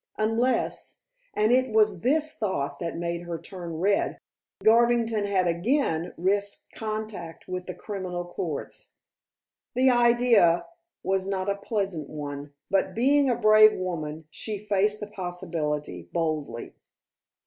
Unless, and it was this thought that made her turn red, Garvington had again risked contact with the criminal courts. The idea was not a pleasant one, but being a brave woman, she faced the possibility boldly.